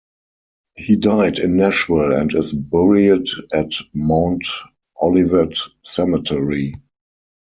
He died in Nashville and is buried at Mount Olivet Cemetery.